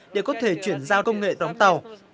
để có thể chuyển giao công nghệ đóng tàu